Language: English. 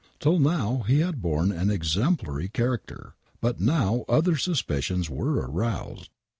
Till now he had borne an exemplary character. But now other suspicions were aroused.